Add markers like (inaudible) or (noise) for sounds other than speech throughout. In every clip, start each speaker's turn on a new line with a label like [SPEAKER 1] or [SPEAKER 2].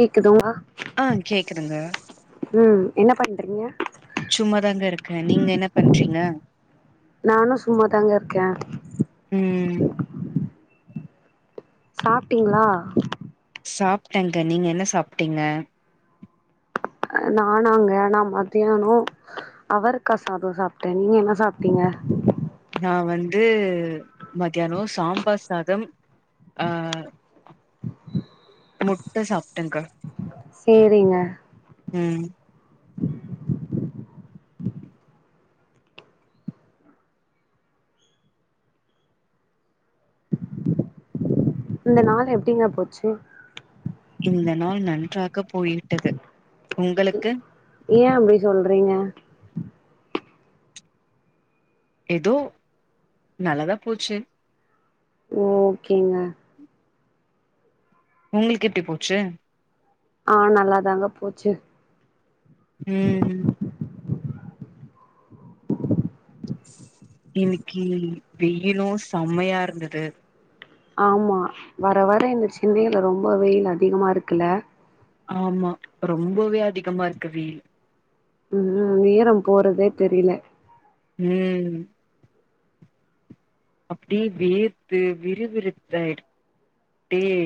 [SPEAKER 1] கேக்குது உமா
[SPEAKER 2] ஆ கேக்குதுங்க
[SPEAKER 1] ம் என்ன பண்றீங்க
[SPEAKER 2] சும்மாதாங்க இருக்கே நீங்க என்ன பண்றீங்க
[SPEAKER 1] நானு சும்மாதாங்க இருக்கே
[SPEAKER 2] ம்
[SPEAKER 1] சாப்ட்டீங்களா
[SPEAKER 2] சாப்ட்டேங்க நீங்க என்ன சாப்ட்டீங்க
[SPEAKER 1] நானாங்க நா மத்தியானோ அவரக்கா சாதோ சாப்ட்டே நீங்க என்ன சாப்ட்டீங்க
[SPEAKER 2] நா வந்து மத்யானோ சாம்பார் சாதம் ஆ முட்ட சாப்ட்டேங்க
[SPEAKER 1] சேரிங்க
[SPEAKER 2] ம்
[SPEAKER 1] இந்த நாள் எப்டிங்க போச்சு
[SPEAKER 2] இந்த நாள் நன்றாக போயிவிட்டது உங்களுக்கு
[SPEAKER 1] ஏ அப்டி சொல்றீங்க
[SPEAKER 2] ஏதோ நல்லாதா போச்சு
[SPEAKER 1] ஓகேங்க
[SPEAKER 2] உங்களுக்கு எப்டி போச்சு
[SPEAKER 1] ஆ நல்லாதாங்க போச்சு
[SPEAKER 2] ம் இன்னக்கி வெயிலு செம்மையா இருந்தது
[SPEAKER 1] ஆமா வர வர இந்த சென்னையில ரொம்ப வெயில் அதிகமா இருக்குல்ல
[SPEAKER 2] ஆமா ரொம்பவே அதிகமா இருக்கு வெயில்
[SPEAKER 1] ம் நேரம் போறதே தெரியல
[SPEAKER 2] ம் அப்டியே வேர்த்து விறுவிறுத்தாயிடு அப்டியே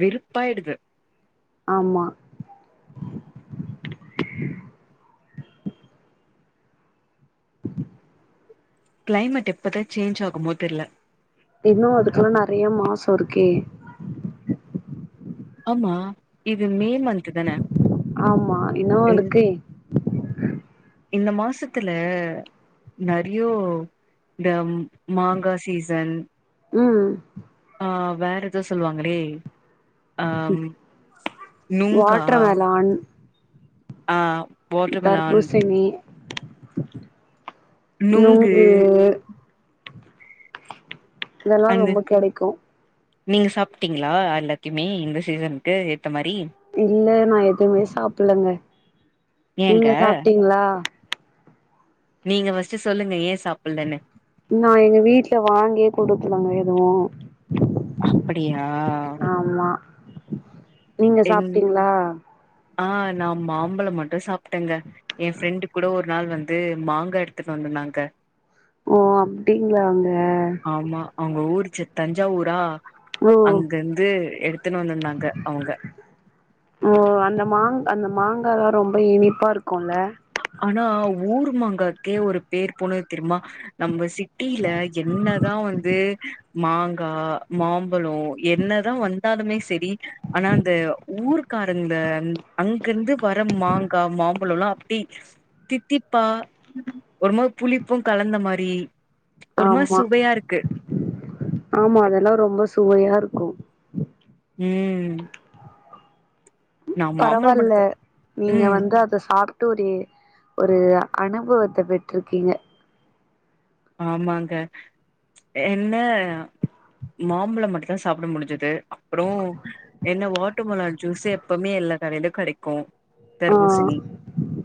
[SPEAKER 2] வெறுப்பா ஆயிடுது
[SPEAKER 1] ஆமா (inaudible)
[SPEAKER 2] கிளைமேட் எப்பதா சேஞ்ச ஆகுமா தெரில
[SPEAKER 1] இன்னு அதுக்கெல்லா நெறைய மாசோ இருக்கே
[SPEAKER 2] ஆமா இது மே மன்த்
[SPEAKER 1] ஆமா இன்னு இருக்கே
[SPEAKER 2] இந்த மாசத்துல நெறையோ இந்த மாங்கா சீசன்
[SPEAKER 1] ம்
[SPEAKER 2] ஆ வேற ஏதோ சொல்லுவாங்களே ஆ நுங்கா
[SPEAKER 1] வாட்டர்மெலான்
[SPEAKER 2] ஆ வாட்டர்மெலான்
[SPEAKER 1] தர்பூசணி நுங்கு இதெல்லா
[SPEAKER 2] அந்த
[SPEAKER 1] ரொம்ப கெடைக்கு
[SPEAKER 2] நீங்க சாப்ட்டீங்களா எல்லாத்தயுமே இந்த சீசனுக்கு ஏத்த மாரி
[SPEAKER 1] இல்ல நா எதுமே சாப்பல்லங்க
[SPEAKER 2] ஏங்க
[SPEAKER 1] நீங்க சாப்ட்டீங்களா
[SPEAKER 2] நீங்க பஸ்ட்டு சொல்லுங்க ஏ சாப்புட்லன்னு
[SPEAKER 1] நா எங்க வீட்ல வாங்கியே கொடுத்துலாங்க எதுவு
[SPEAKER 2] அப்புடியா
[SPEAKER 1] ஆமா நீங்க
[SPEAKER 2] எங்
[SPEAKER 1] சாப்ட்டீங்களா
[SPEAKER 2] ஆ நா மாம்பழம் மட்டு சாப்ட்டேங்க எ ஃப்ரெண்டு கூட ஒரு நாள் வந்து மாங்கா எடுத்துட்டு வந்துந்னாங்க
[SPEAKER 1] ஓ அப்டிங்களா ங்க
[SPEAKER 2] ஆமா அவ்ங்க ஊருச்சு தஞ்சாவூரா
[SPEAKER 1] ஓ
[SPEAKER 2] அங்கிருந்து எடுத் துனு வந்திருந்தாங்க அவ்ங்க
[SPEAKER 1] ஓ அந்த மாங் அந்த மாங்காலா ரொம்ப இனிப்பா இருக்குல்ல
[SPEAKER 2] ஆனா ஊரு மாங்காக்கே ஒரு பேர் பொணது தெரியுமா நம்ப சி ட்டில என்னதா வந் ந்து மாங்கா மாம்பழோ என்னதா வந்தாலுமே செரி ஆனா இந்த ஊர்க்காரங் அந்த அங்கிருந்து வர மாங் க்கா மாம்பழோ ல்லா அப்புடி தித்திப்பா ஒரு மாரி புளிப்பு கலந்த மாரி ஒரு மாரி
[SPEAKER 1] ஆமா
[SPEAKER 2] சுவையா இருக்
[SPEAKER 1] ஆமா அதெல்லா ரொம்ப சுவையா இருக்கு
[SPEAKER 2] ம் நா மாம்பழம்
[SPEAKER 1] பரவாயில்ல
[SPEAKER 2] பழத்த
[SPEAKER 1] நீங்க
[SPEAKER 2] ம்
[SPEAKER 1] வந்து அத சாப் ட்டோரி ஒரு அனுபவத்த பெற்ருக்கீங்க
[SPEAKER 2] ஆமாங்க என்ன மாம்பழம் மட்டு தா சாப்ட முடிஞ்சுது அப்புறோ என்ன வாட்டார்‌ மேளான் ஜூஸ் எப்பமே எல்லா கடையிலு கெடைக்கு
[SPEAKER 1] ஆ
[SPEAKER 2] தர்பூசணி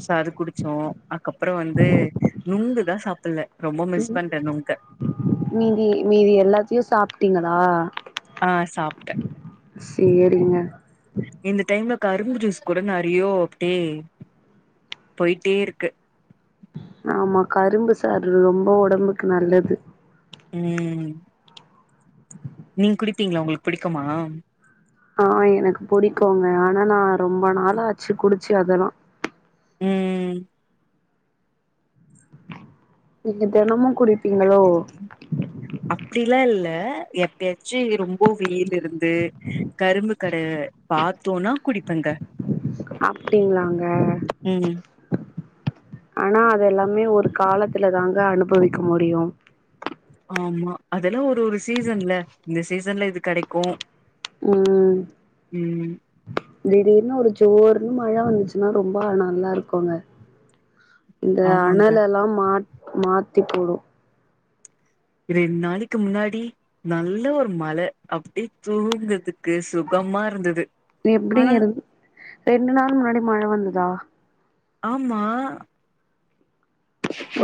[SPEAKER 2] சாறு குடிச்சோ அக்கப்புறோ வந்து நுங்கு தா சாப்பில்ல ரொம்ப மிஸ் பண்றே நுங்க
[SPEAKER 1] நீங்கி மீதி எல்லாத்தையு சாப்ட்டீங்களா
[SPEAKER 2] ஆ சாப்ட்டே
[SPEAKER 1] சேரிங்க
[SPEAKER 2] இந்த டைம்ல கரும்பு ஜூஸ் கூட நெறையோ அப்டே போய்ட்டே இருக்கு
[SPEAKER 1] ஆமா கரும்பு சாறு ரொம்ப உடம்புக்கு நல்லது
[SPEAKER 2] ம் ம் நீங் குடிப்பீங்களா உங்களுக்கு புடிக்குமா
[SPEAKER 1] ஆ எனக்கு புடிக்குங்க ஆனா நா ரொம்ப நாள ஆச்சு குடிச்சு அதெல்லா
[SPEAKER 2] ம்
[SPEAKER 1] நீங்க தெனமு குடிப்பீங்களோ
[SPEAKER 2] அப்டிலா இல்ல எப்பயாச்சு ரொம்ப வெயில் இருந்து கரும்பு கட பாத்தோனா குடிப்பங்க
[SPEAKER 1] அப்டிங்களாங்க
[SPEAKER 2] ம்
[SPEAKER 1] ஆனா அதெல்லாமே ஒரு காலத்துல தாங்க அனுபவிக்க முடியு
[SPEAKER 2] ஆமா அதெல்லா ஒரு ஒரு சீசன்ல இந்த சீசன்ல இது கெடைக்கு
[SPEAKER 1] ம்
[SPEAKER 2] ம்
[SPEAKER 1] திடீர்னு ஒரு ஜோர்ன்னு மழ வந்ச்சு நா ரொம்ப நல்லா இருக்குங்க இந்த
[SPEAKER 2] ஆமாங்க
[SPEAKER 1] அணலல்லா மாட் மாத்தி போடும்
[SPEAKER 2] ரெண் நாளைக்கு முன்னாடி நல்ல ஒரு மழ அப்டியே தூங்கற்துக்கு சுகமா இருந்தது
[SPEAKER 1] எப்டி
[SPEAKER 2] ஆனா
[SPEAKER 1] இருந் ரெண்டு நாள் முன்னாடி மழ வந்ததா
[SPEAKER 2] ஆமா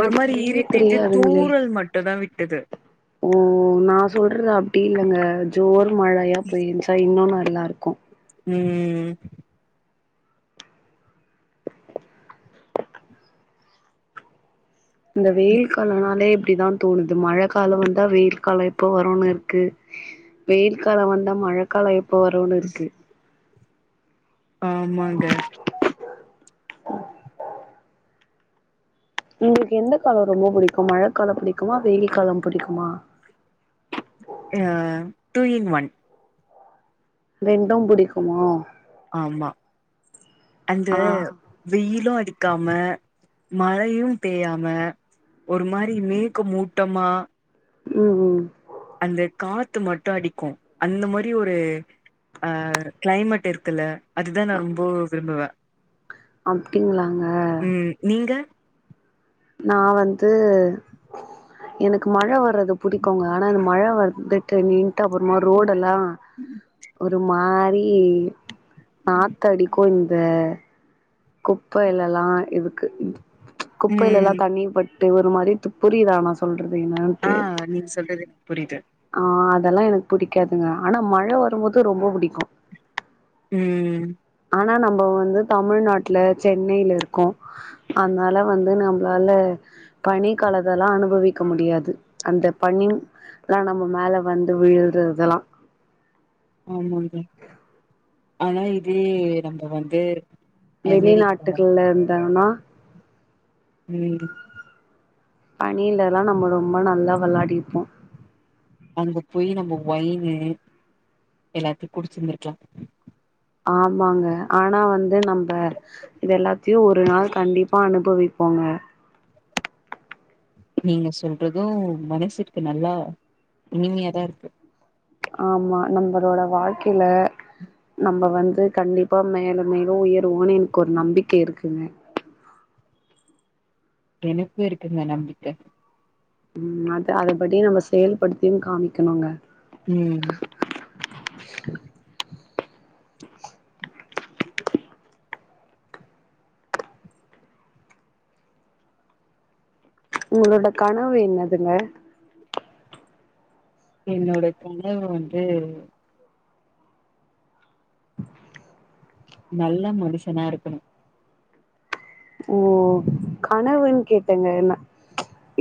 [SPEAKER 2] ஒரு மாரி
[SPEAKER 1] தெரியவே
[SPEAKER 2] இருட்டிட்டு
[SPEAKER 1] தெரியாதுங்களே
[SPEAKER 2] தூறல் மட்டும் தா விட்டது
[SPEAKER 1] ம் ம் நா சொல்றது அப்டில்லங்க ஜோர் மழயா பெய்ந்ச்சா இன்னு நல்லாருக்
[SPEAKER 2] ம் ம் ம்
[SPEAKER 1] இந்த வெயில் காலனாலே இப்டிதா தோணுது மழ காலம் வந்தா வெயில் காலம் எப்போ வரோன் இருக்கு வெயில் காலம் வந்தா மழக் கலாம் எப்போ வருன்னு இருக்கு
[SPEAKER 2] ஆமாங்க
[SPEAKER 1] உங்களுக்கு எந்த காலம் ரொம்ப புடிக்கும் மழக்காலம் புடிக்குமா வெயில் காலம் புடிக்குமா
[SPEAKER 2] ஆ டூ இன் ஒன்
[SPEAKER 1] ரெண்டும் புடிக்குமோ
[SPEAKER 2] ஆம்மா அந்த
[SPEAKER 1] ஆ
[SPEAKER 2] வெயிலு அடிக்காம மழயும் பெய்யாம ஒரு மாரி மேக்க மூட்டமா
[SPEAKER 1] ம் ம்
[SPEAKER 2] அந்த காத்து மட்டு அடிக்கும் அந்த மாரி ஒரு ஆ கிளைமேட் இருக்குல்ல அதுதா நா ரொம்பவோ விரும்புவ
[SPEAKER 1] அப்டிங்ளாங்க
[SPEAKER 2] ம் நீங்க
[SPEAKER 1] நா வந்து எனக்கு மழ‌ வர்றது புடிக்கோங்க ஆனா மழ வந்துட்டு நின்ட்டு அப்பறமா ரோடெல்லா ஒரு மாரி ம் நாத்தடிக்குங்க குப்பையிலல்லா இதுக்கு குப்பையிலல்லா
[SPEAKER 2] ம்
[SPEAKER 1] தண்ணி பட்டு ஒரு மாரி துப் புரியுதா நா சொல்றது
[SPEAKER 2] ஆ
[SPEAKER 1] என்னான்ட்டு
[SPEAKER 2] நீங்க சொல்றது எனக்கு புரியுது
[SPEAKER 1] ஆ அதெல்லா எனக் புடிக்காதுங்க ஆனா மழ வரும்போது ரொம்ப புடிக்கும்
[SPEAKER 2] ம் ம்
[SPEAKER 1] ஆனா நம்ப வந்து தமிழ்நாட்ல சென்னைல இருக்கோ அதனால வந்து நம்ப்ளால பனி காலதெல்லா அனுபவிக்க முடியாது அந்த பனி எல்லா நம்ப மேல வந்து விழுறது அதெல்லா
[SPEAKER 2] ஆம்மாம் பா ஆனா இதே நம்ப வந்து அமெரிக்கா
[SPEAKER 1] வெளிநாட்டுகள்ல இருந்தாங்னா
[SPEAKER 2] ம்
[SPEAKER 1] பனிலல்லா நம்ம ரொம்ப நல்லா வெள்யாடிப்போ
[SPEAKER 2] அங்க போயி நம்ம ஒயினு எல்லாத்தையும் குடிச்சிருந்திருக்லாம்
[SPEAKER 1] ஆமாங்க ஆனா வந்து நம்ப இது எல்லாத்தையும் ஒரு நாள் கண்டிப்பா அனுபவிப்போங்க
[SPEAKER 2] நீங்க சொல்றது மனசுக்கு நல்லா இனிமையாதா இருக்கு
[SPEAKER 1] ஆம்மா நம்பளோட வாழ்க்கைல நம்ம வந்து கண்டிப்பா மேலும் மேலும் உயர் போனோனு எனக்கு ஒரு நம்பிக்க இருக்குங்க
[SPEAKER 2] எனக்கு இருக்குங்க நம்பிக்க
[SPEAKER 1] ம் அத அத படி நம்ம செயல்படுத்தியு காமிக்கணுங்க
[SPEAKER 2] ம்
[SPEAKER 1] உங்களோட கனவு என்னதுங்க
[SPEAKER 2] என்னோட கணவு வந்து நல்ல மனுஷனா இருக்கணு
[SPEAKER 1] ஓ கனவுன்னு கேட்டங்க என்ன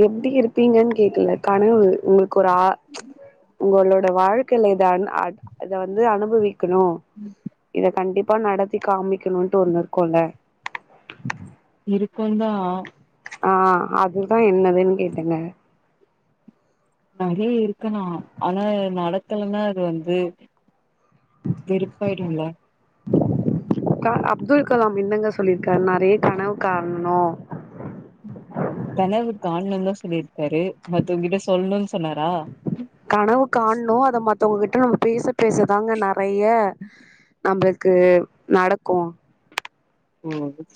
[SPEAKER 1] எப்டி இருப்பீங்கன்னு கேக்கல கனவு உங்களுக்கு ஒரு ஆ உங்களோட வாழ்க்கைல இத இத வந்து அனுபவி க்கணு இத கண்டிப்பா நடத்தி காமிக்கனுன்ட்டு ஒண்ணு இருக்குல
[SPEAKER 2] இருக்குந்தா
[SPEAKER 1] ஆ அதுதா என்னதுன்னு கேட்ட நானு
[SPEAKER 2] நெறைய இருக்கு நா ஆனா நடக் க்கலனா அது வந்து வெருப்பாய்டுல
[SPEAKER 1] கா அப்துல் கலாம் என்னங்க சொல்லிருக்காரு நெறைய கனவு காணணு
[SPEAKER 2] கனவு காண்ணுன்தா சொல்லிருக்காரு மத்தவங்கிட்ட சொல்லணும்னு சொன்னாரா
[SPEAKER 1] கனவு காணணு அத மத்தவங்ககிட்ட நம்ம பேச பேசதாங்க நெறைய நம்ளுக்கு நடக்கு
[SPEAKER 2] ஓ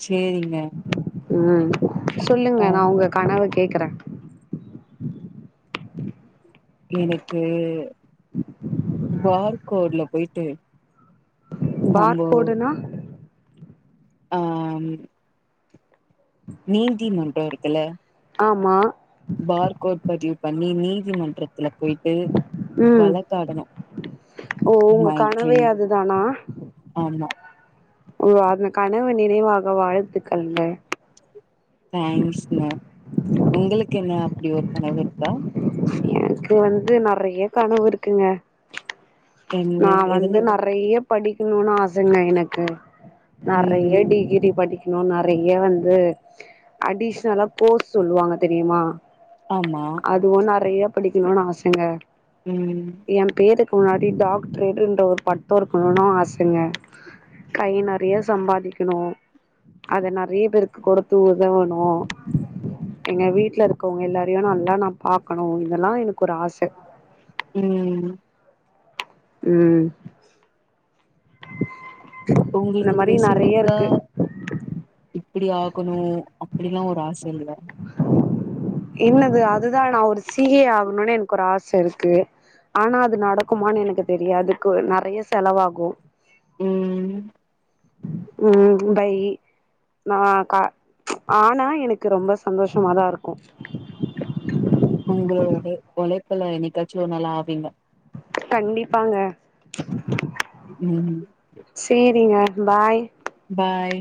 [SPEAKER 2] சேரிங்க
[SPEAKER 1] ம் சொல்லுங்க
[SPEAKER 2] ஆ
[SPEAKER 1] நா உங்க கனவ கேக்கற
[SPEAKER 2] எனக்கு வார்கோட்ல போயிட்டு நம்போ
[SPEAKER 1] பார்க்கோடுனா
[SPEAKER 2] ஆ நீதி மன்றோ இருக்குல
[SPEAKER 1] ஆமா
[SPEAKER 2] பார்கோட் பதிவு பண்ணி நீதிமன்றத்துல போயிட்டு
[SPEAKER 1] ம்
[SPEAKER 2] வழக்காடணு
[SPEAKER 1] ஓ உங்க
[SPEAKER 2] மை
[SPEAKER 1] கனவே
[SPEAKER 2] ட்ரீம்
[SPEAKER 1] அதுதானா
[SPEAKER 2] ஆமா
[SPEAKER 1] ஓ அந்த கனவு நினைவாக வாழ்த்துக்கள்ங்க
[SPEAKER 2] தேங்க்ஸ்ங்க உங்களுக்கு என்ன அப்டி ஒரு கனவு இருக்கா
[SPEAKER 1] எனக்கு வந்து நெறைய கனவு இருக்குங்க
[SPEAKER 2] என்ன
[SPEAKER 1] நான் வந்து
[SPEAKER 2] எதுனா
[SPEAKER 1] நெறைய படிக்கணுனு ஆசங்க எனக்கு
[SPEAKER 2] ம்
[SPEAKER 1] நெறைய டிகிரி படிக் இன்னு நெறைய வந்து அடிஷ்னலா போஸ்ட் சொல்லுவாங்க தெரியுமா
[SPEAKER 2] ஆமா
[SPEAKER 1] இன்னு நெறைய படிக்கணுனு ஆசைங்க
[SPEAKER 2] ம்
[SPEAKER 1] என் பேருக்கு முன்னாடி டாக் டர்ன்ற ஒரு பட்டோ இருக்கணுனு ஆசங்க கை நெறைய சம்பாரிக்கணு அத நெறைய பேருக்கு கொடுத் தூதா வேணு எங்க வீட்ல இருக்கவங்க எல்லாரையு நல்லா நா பாக்கணு இதெல்லா எனக்கு ஒரு ஆச
[SPEAKER 2] ம்
[SPEAKER 1] ம் இந்த
[SPEAKER 2] உங்களுக்கு
[SPEAKER 1] மாரி நெறைய
[SPEAKER 2] பெசிபிக்கா
[SPEAKER 1] இருக்கு
[SPEAKER 2] இப்டி ஆகணு அப்டிலா ஒரு ஆச இல்ல
[SPEAKER 1] என்னது அதுதா நான் ஒரு சீ ஏ ஆகணுனு எனக்கு ஒரு ஆச இருக்கு ஆனா அது நடக்குமான்னு எனக்கு தெரியாது அதுக்கு நெறைய செலவாகு
[SPEAKER 2] ம்
[SPEAKER 1] ம் பை நா கா ஆனா எனக்கு ரொம்ப ச ந்தோஷமா தா இருக்கு
[SPEAKER 2] உங்களோட உழைப்புல என்னைக்காச்சு ஒரு நாள் ஆவீங்க
[SPEAKER 1] கண்டிப்பாங்க
[SPEAKER 2] ம்
[SPEAKER 1] சேரிங்க பாய்
[SPEAKER 2] பாய்